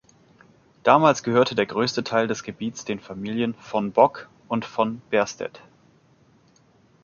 Damals gehörte der größte Teil des Gebiets den Familien "von Bock" und "von Berstett".